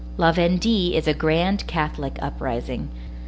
La Vendée is a grand, catholic uprising.